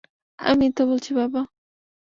আমি মিথ্যা বলছি, বাবা?